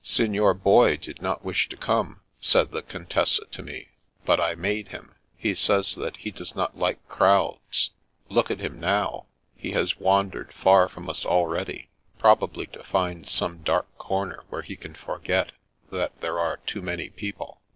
" Signor Boy did not wish to come," said the Contessa to me, " but I made him. He says that he does not like crowds. Look at him now ; he has wandered far from us already, probably to find some dark comer where he can forget that there are too many people.